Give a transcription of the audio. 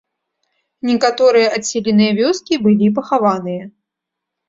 Некаторыя адселеныя вёскі былі пахаваныя.